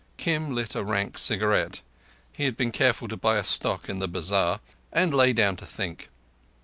Kim lit a rank cigarette—he had been careful to buy a stock in the bazar—and lay down to think.